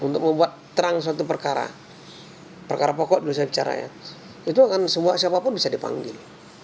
untuk membuat terang suatu perkara perkara pokok dulu saya bicara ya itu akan semua siapapun bisa dipanggil